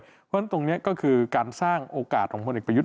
เพราะฉะนั้นตรงนี้ก็คือการสร้างโอกาสของพลเอกประยุทธ์